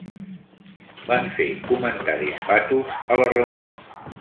Van fer comentaris fatus a la reunió.